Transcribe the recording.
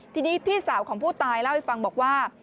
ทีนี้พี่สาวของผู้ตายเล่าให้ฟังบอกว่า